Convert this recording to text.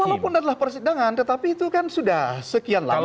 walaupun adalah persidangan tetapi itu kan sudah sekian lama